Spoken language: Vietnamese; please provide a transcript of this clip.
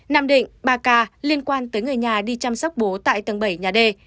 nam định ba ca liên quan tới người nhà đi chăm sóc bố tại tầng bảy nhà d